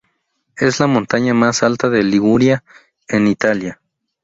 Es la montaña más alta de Liguria, en Italia.